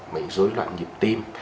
bệnh dối loạn nhịp tim